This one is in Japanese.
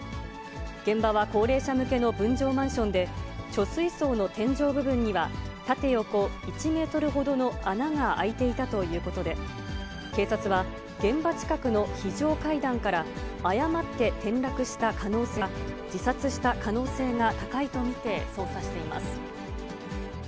現場は高齢者向けの分譲マンションで、貯水槽の天井部分には、縦横１メートルほどの穴が開いていたということで、警察は、現場近くの非常階段から、誤って転落した可能性か、自殺した可能性が高いと見て、捜査しています。